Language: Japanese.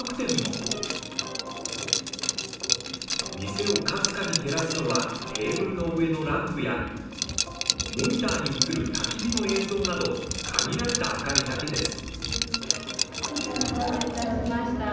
店をかすかに照らすのはテーブルの上のランプやモニターに映るたき火の映像など限られた明かりだけです。